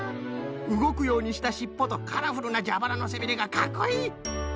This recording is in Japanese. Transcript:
うごくようにしたしっぽとカラフルなじゃばらのせびれがかっこいい！